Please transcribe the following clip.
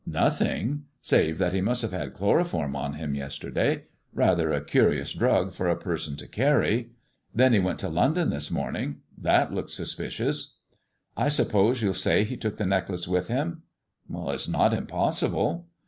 "Nothing ! Save that he must have had chloroform on him yesterday. Rather a curious drug for a person to carry. Then he went to London this morning. That looks suspicious." " I suppose you'll say he took the necklace with him 1 "It's not impossible."